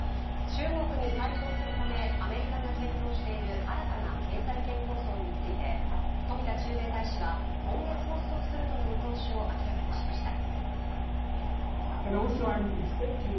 中国に対抗するため、アメリカが検討している新たな経済圏構想について、冨田駐米大使は今月発足するとの見通しを明らかにしました。